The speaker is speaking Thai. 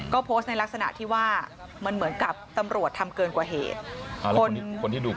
ก็โพสต์ในลักษณะที่ว่ามันเหมือนกับตำรวจทำเกินกว่าเหตุคนที่ดู